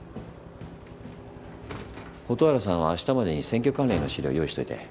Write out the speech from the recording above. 蛍原さんは明日までに選挙関連の資料用意しといて。